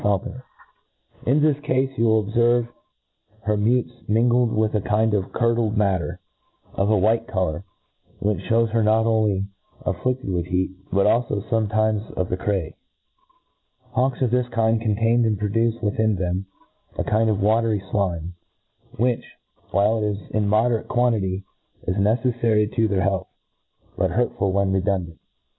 fa i,' 204 A TREATISE QF In this cafe, you will obfervc her mutes mingled with a kind of curdled matter, of a white colour, which fhews her not only affliac;4 with heat, but alfo with fpmething of the cray. HawJ^LS of all kinds contain and produce withr in them a kind of watery flime, which, while it is in moderate quantity, is neceflary to their health ; biit hurtful when redundant.